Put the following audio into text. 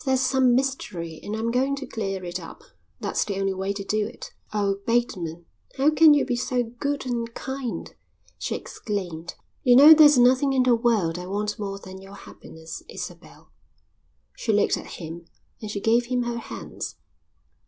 "There's some mystery and I'm going to clear it up. That's the only way to do it." "Oh, Bateman, how can you be so good and kind?" she exclaimed. "You know there's nothing in the world I want more than your happiness, Isabel." She looked at him and she gave him her hands.